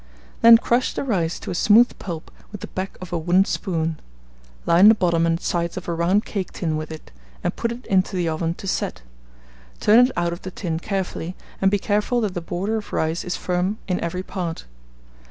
Then crush the rice to a smooth pulp with the back of a wooden spoon; line the bottom and sides of a round cake tin with it, and put it into the oven to set; turn it out of the tin carefully, and be careful that the border of rice is firm in every part.